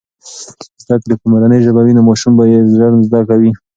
که زده کړې په مورنۍ ژبه وي نو ماشومان یې ژر زده کوي.